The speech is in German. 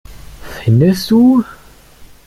Findest du?